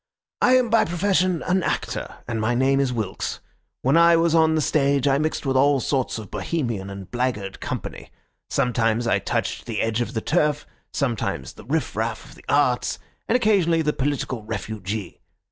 "I am by profession an actor, and my name is Wilks. When I was on the stage I mixed with all sorts of Bohemian and blackguard company. Sometimes I touched the edge of the turf, sometimes the riff raff of the arts, and occasionally the political refugee.